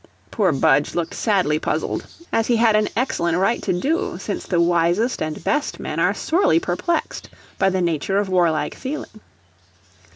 Poor Budge looked sadly puzzled, as he had an excellent right to do, since the wisest and best men are sorely perplexed by the nature of warlike feeling.